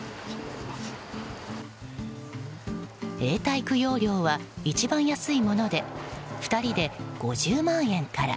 永代供養料は一番安いもので２人で５０万円から。